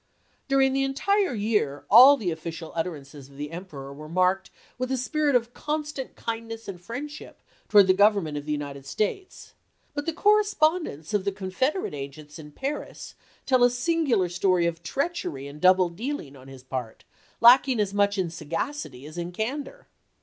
During the entire year all the official utterances of the Emperor were marked with a spirit of constant kindness and friendship towards the Government of the United States ; but the correspondence of the Confederate agents in Paris tells a singular story of treachery and double dealing on his part, lacking as much in sagacity as in candor.